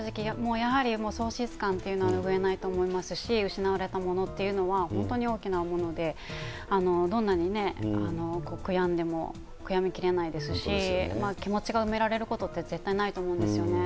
やはり喪失感というのは拭えないと思いますし、失われたものっていうのは本当に大きなもので、どんなに悔やんでも悔やみきれないですし、気持ちが埋められることって絶対ないと思うんですよね。